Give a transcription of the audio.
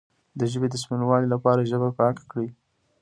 د ژبې د سپینوالي لپاره ژبه پاکه کړئ